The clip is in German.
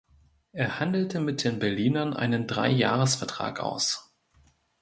Er handelte mit den Berlinern einen Dreijahresvertrag aus.